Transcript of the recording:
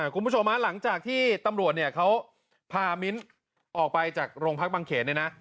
คุณผู้ชมหลังจากที่ตำรวจเนี่ยเขาพามิ้นออกไปจากโรงพักบางเขนเนี่ยนะ